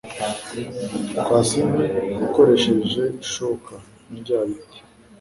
Kwasa inkwi ukoresheje ishoka (indyabiti)